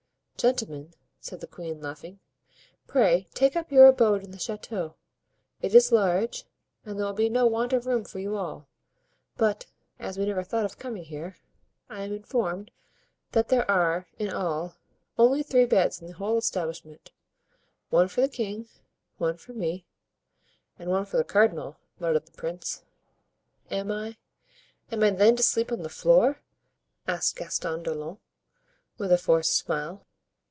"Gentlemen," said the queen, laughing, "pray take up your abode in the chateau; it is large, and there will be no want of room for you all; but, as we never thought of coming here, I am informed that there are, in all, only three beds in the whole establishment, one for the king, one for me——" "And one for the cardinal," muttered the prince. "Am I—am I, then, to sleep on the floor?" asked Gaston d'Orleans, with a forced smile.